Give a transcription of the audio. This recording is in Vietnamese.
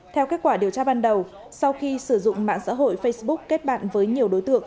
theo kết quả điều tra ban đầu sau khi sử dụng mạng xã hội facebook kết bạn với nhiều đối tượng